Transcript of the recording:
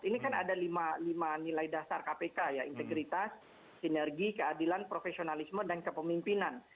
ini kan ada lima nilai dasar kpk ya integritas sinergi keadilan profesionalisme dan kepemimpinan